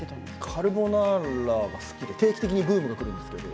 カルボナーラが好きで定期的にブームがきます。